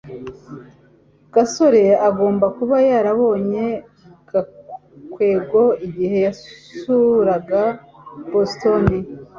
gasore agomba kuba yarabonye gakwego igihe yasuraga boston